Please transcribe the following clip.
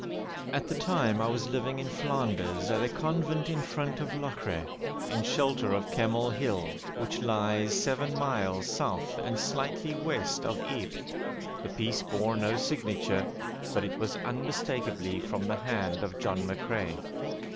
At the time I was living in Flanders at a convent in front of Locre, in shelter of Kemmel Hill, which lies seven miles south and slightly west of Ypres. The piece bore no signature, but it was unmistakably from the hand of John McCrae.